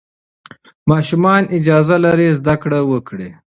ماشومان اجازه لري زده کړه وکړي.